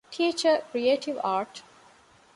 ޓީޗަރ - ކްރިއޭޓިވް އާރޓް